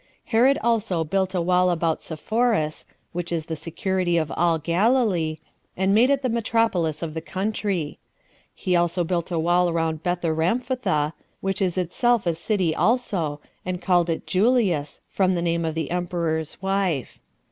Herod also built a wall about Sepphoris, [which is the security of all Galilee,] and made it the metropolis of the country. He also built a wall round Betharamphtha, which was itself a city also, and called it Julias, from the name of the emperor's wife.